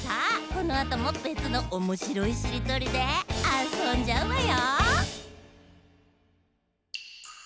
このあともべつのおもしろいしりとりであそんじゃうわよ。